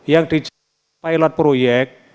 yang di pilot proyek